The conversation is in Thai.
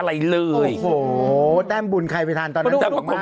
โฮโฮแต้มบุญใครไปทานตอนนั้น